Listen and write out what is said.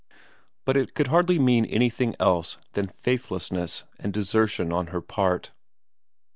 But it could hardly mean anything else than faithlessness and desertion on her part.